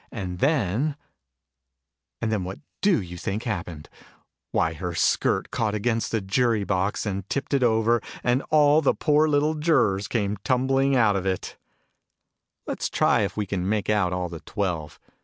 And then And then what do you think happened ? Why, her skirt caught against the Jury box, and tipped it over, and all the poor little Jurors came tumbling out of it ! Digitized by Google 52 THE NURSERY "ALICE." Let's try if we can make out all the twelve.